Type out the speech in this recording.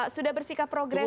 sudah bersikap progresif